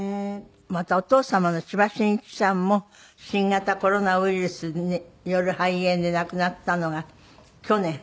またお父様の千葉真一さんも新型コロナウイルスによる肺炎で亡くなったのが去年。